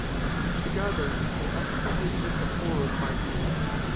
Together they excavated the hoard by hand.